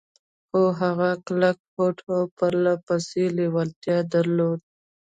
خو هغه کلک هوډ او پرله پسې لېوالتيا درلوده.